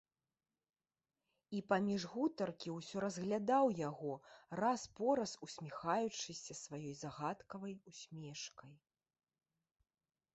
І паміж гутаркі ўсё разглядаў яго, раз-пораз усміхаючыся сваёй загадкавай усмешкай.